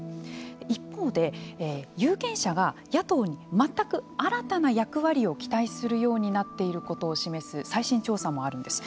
一方で、有権者が野党に全く新たな役割を期待するようになっていることを示す最新の調査もあるんです。